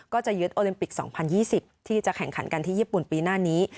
ก็จะยึดโอลิมปิก๒๐๒๐ที่จะแข่งขันกันที่ญี่ปุ่นปีหน้านี้